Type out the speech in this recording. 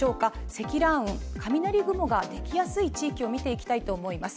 積乱雲、雷雲ができやすい地域を見ていきたいと思います。